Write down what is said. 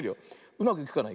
うまくいくかな。